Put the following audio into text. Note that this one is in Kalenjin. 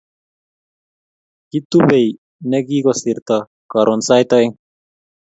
kitubei ne kikosirto karon sait oeng'